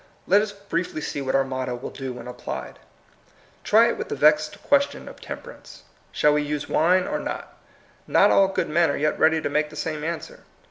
Let us briefly see what our motto will do when applied. Try it with the vexed ques> tion of temperance. Shall we use wine or not? Not all good men are yet ready to make the same ans.wer.